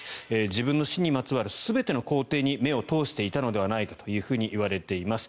自分の死にまつわる全ての行程に目を通していたのではないかというふうにいわれています。